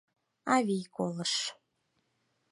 Авий колыш.